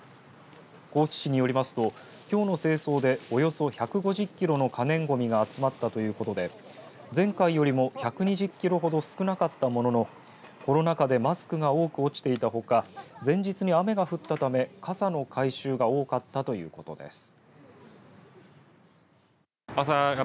高知市によりますときょうの清掃でおよそ１５０キロの可燃ごみが集まったということで前回よりも１２０キロほど少なかったもののコロナ禍でマスクが多く落ちていたほか前日に雨が降ったため傘の回収が多かったということです。